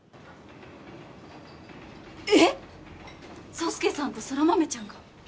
爽介さんと空豆ちゃんが？